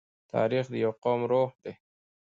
تاریخ د یوه قوم روح دی.